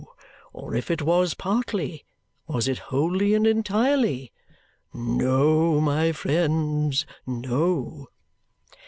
Or if it was partly, was it wholly and entirely? No, my friends, no!"